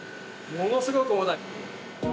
ものすごく重たい。